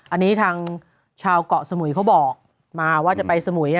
อันนี้ทางชาวเกาะสมุยเขาบอกมาว่าจะไปสมุย